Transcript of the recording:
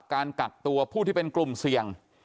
การกักตัวผู้ที่เป็นกลุ่มเสี่ยง